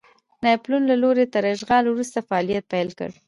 ناپلیون له لوري تر اشغال وروسته فعالیت پیل کړ.